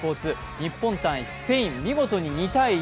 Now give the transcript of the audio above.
日本×スペイン、見事に２−１。